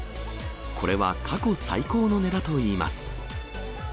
これは過去最高の値だといいます。